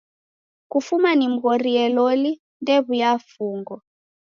Kufuma nimghorie loli new'uya fungo.